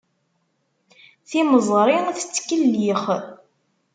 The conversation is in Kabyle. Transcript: Timeẓri tettkellix.